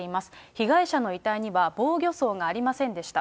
被害者の遺体には防御創がありませんでした。